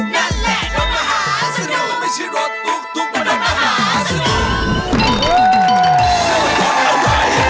มันใช่รถมหาสนุก